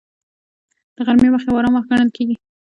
د غرمې وخت یو آرام وخت ګڼل کېږي